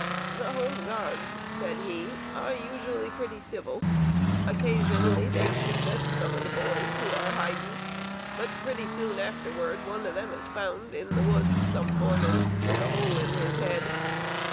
"The Home Guards," said he, "are usually pretty civil. Occasionally they shoot at some of the boys who are hiding; but pretty soon afterward, one of them is found in the woods some morning with a hole in his head!